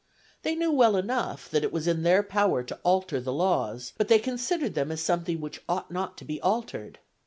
They knew well enough that it was in their power to alter the laws, but they considered them as something which ought not to be altered.